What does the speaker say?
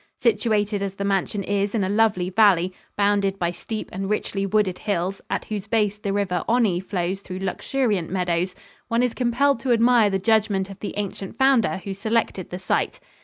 Situated as the mansion is in a lovely valley, bounded by steep and richly wooded hills at whose base the river Onny flows through luxuriant meadows, one is compelled to admire the judgment of the ancient founder who selected the site.